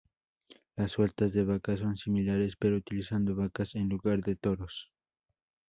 Las "sueltas de vacas" son similares, pero utilizando vacas en lugar de toros.